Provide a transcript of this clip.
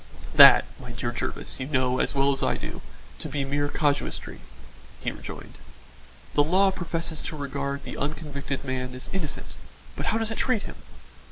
"That, my dear Jervis, you know, as well as I do, to be mere casuistry," he rejoined. "The law professes to regard the unconvicted man as innocent; but how does it treat him?